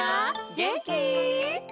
げんき？